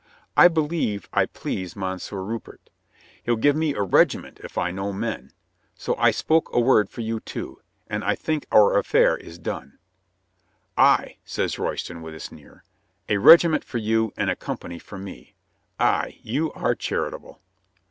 I believe I pleased Mon sieur Rupert. He'll give me a regiment if I know men. So I spoke a word for you, too. And I think our affair is done." "Ay," says Royston with a sneer. "A regiment for you and a company for me. Ay, you are char itable."